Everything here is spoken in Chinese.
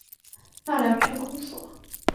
大寮区公所